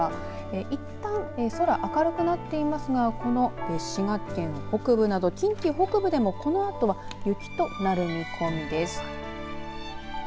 いったん空、明るくなっていますがこの滋賀県北部など近畿北部でもこのあとは雪となる見込みです。